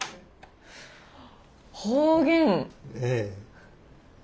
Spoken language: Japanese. ええ。